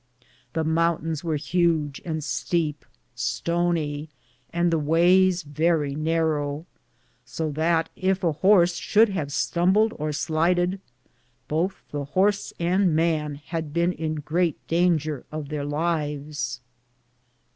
The mountains weare huge and steepe, stony, and the wayes verrie nar row, so that if a horse should have stumbled or slided, bothe horse and man had bene in greate dainger of theire lives.